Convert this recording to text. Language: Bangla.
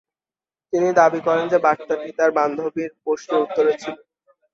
তিনি দাবি করেন যে বার্তাটি তার বান্ধবীর প্রশ্নের উত্তরে ছিল।